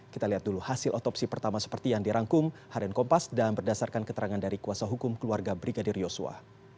kita lihat dulu hasil otopsi pertama seperti yang dirangkum harian kompas dan berdasarkan keterangan dari kuasa hukum keluarga brigadir yosua